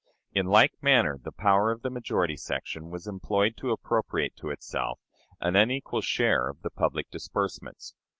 In like manner the power of the majority section was employed to appropriate to itself an unequal share of the public disbursements.